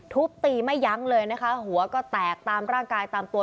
ทุบตีไม่ยั้งเลยนะคะหัวก็แตกตามร่างกายตามตัว